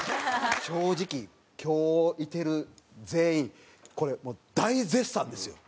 正直今日いてる全員これもう大絶賛ですよ。